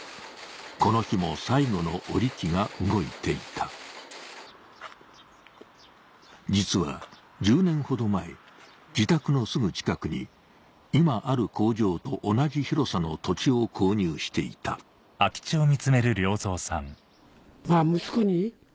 この日も最後の織り機が動いていた実は１０年ほど前自宅のすぐ近くに今ある工場と同じ広さの土地を購入していたその時に。